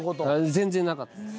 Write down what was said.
全然なかったです。